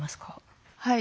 はい。